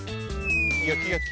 よきよき。